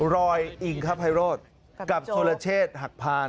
รอยอิงครับไฮโรดกับโทรเชศหักพ่าน